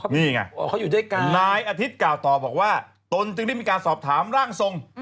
นี่ไงนายอาทิตย์กล่าวตอบว่าตนจึงได้มีการสอบถามร่างทรง